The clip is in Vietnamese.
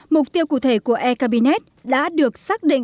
mục tiêu cụ thể của e cabinet đã được xác định